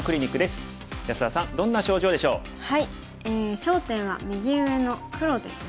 焦点は右上の黒ですね。